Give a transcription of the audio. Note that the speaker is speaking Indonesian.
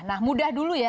nah mudah dulu ya